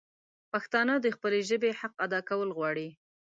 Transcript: پښتانه د خپلي ژبي حق ادا کول غواړي